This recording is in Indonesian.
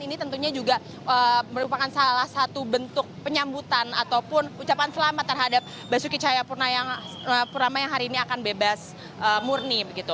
ini tentunya juga merupakan salah satu bentuk penyambutan ataupun ucapan selamat terhadap basuki cahayapurnama yang hari ini akan bebas murni